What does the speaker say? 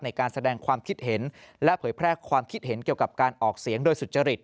ในการแสดงความคิดเห็นและเผยแพร่ความคิดเห็นเกี่ยวกับการออกเสียงโดยสุจริต